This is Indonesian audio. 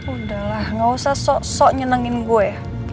udah lah gak usah sok sok nyenengin gue